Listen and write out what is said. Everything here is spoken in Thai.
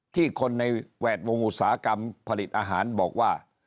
คนในแวดวงอุตสาหกรรมผลิตอาหารบอกว่า